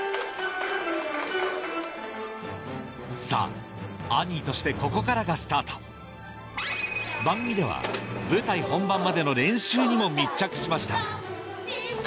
さぁアニーとしてここからがスタート番組では舞台本番までの練習にも密着しました